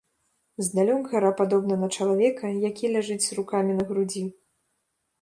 Здалёк гара падобна на чалавека, які ляжыць з рукамі на грудзі.